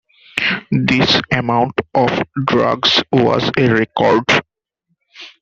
This amount of drugs was a record.